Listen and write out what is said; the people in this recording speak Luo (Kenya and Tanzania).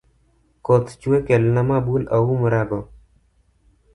Koth chwe kelna mabul aumrago